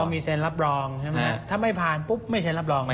มีเซ็นรับรองใช่ไหมถ้าไม่ผ่านปุ๊บไม่เซ็นรับรอง